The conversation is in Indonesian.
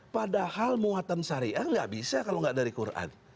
padahal muatan syariah nggak bisa kalau nggak dari quran